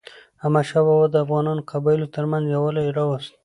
احمدشاه بابا د افغانو قبایلو ترمنځ یووالی راوست.